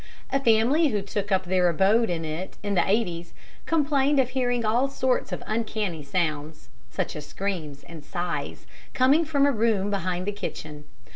A family who took up their abode in it in the 'eighties complained of hearing all sorts of uncanny sounds such as screams and sighs coming from a room behind the kitchen.